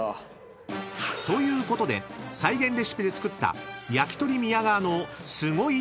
［ということで再現レシピで作った「やきとり宮川」の］